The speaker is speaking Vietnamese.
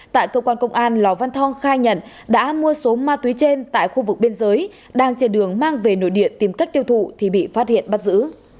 tại cơ quan công an lò văn thong khai nhận đã mua số ma túy trên tại khu vực biên giới đang trên đường mang về nội địa tìm cách tiêu thụ thì bị phát hiện bắt giữ